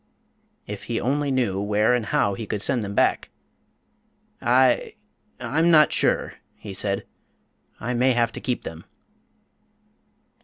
If he only knew where and how he could send them back! "I I'm not sure," he said; "I may have to keep them."